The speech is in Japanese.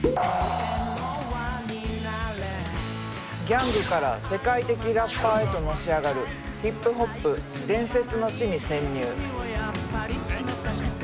ギャングから世界的ラッパーへとのし上がるヒップホップ伝説の地に潜入。